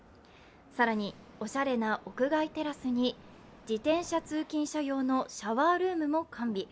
更に、おしゃれな屋外テラスに自転車通勤者用のシャワールームも完備。